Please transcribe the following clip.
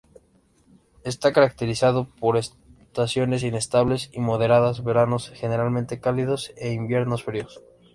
Está caracterizado por estaciones inestables y moderadas, veranos generalmente cálidos e invierno fríos.